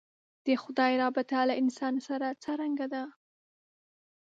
د خدای رابطه له انسان سره څرنګه ده.